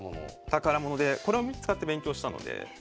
宝物でこれを使って勉強したので。